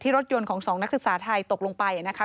รถยนต์ของ๒นักศึกษาไทยตกลงไปนะคะ